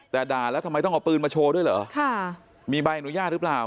แต่ด่าแล้วทำไมต้องเอาปืนมาโชว์ด้วยเหรอค่ะมีใบอนุญาตหรือเปล่า